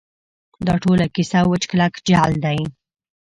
دا ټوله کیسه وچ کلک جعل دی.